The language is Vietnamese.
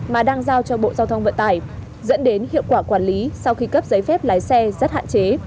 mà đang giao cho bộ giao thông vận tải dẫn đến hiệu quả quản lý sau khi cấp giấy phép lái xe rất hạn chế